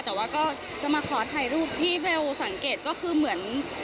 แต่ว่าก็จะมาขอถ่ายรูปที่เบลสังเกตก็คือเหมือน